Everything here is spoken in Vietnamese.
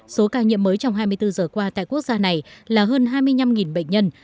số ca nhiễm mới trong hai mươi bốn giờ qua tại quốc gia này là hơn hai mươi năm bệnh nhân